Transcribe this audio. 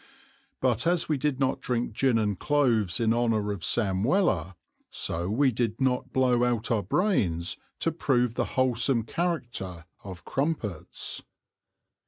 But as we did not drink gin and cloves in honour of Sam Weller, so we did not blow out our brains to prove the wholesome character of crumpets.